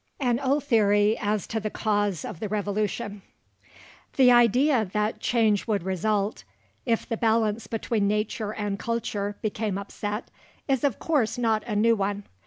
AN OLD THEORY AS TO THE CAUSE OF THE REVOLUTION The idea that change would result, if the balance between nature and culture became upset, is of course not a new one.